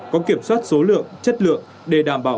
có kiểm soát số lượng chất lượng để đảm bảo